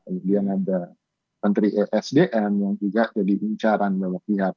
kemudian ada menteri esdm yang juga jadi incaran banyak pihak